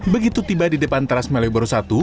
begitu tiba di depan teras malioboro i